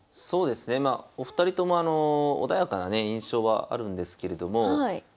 そうですねまあお二人ともあの穏やかなね印象はあるんですけれども。